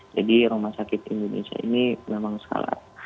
jadi rumah sakit indonesia ini memang salah